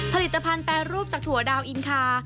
ผลิตภัณฑ์แปรรูปจากถั่วดาวอินคา